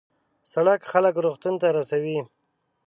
سړک خلک روغتون ته رسوي.